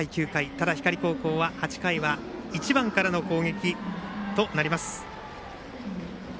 ただ、光高校は１番からの攻撃となります。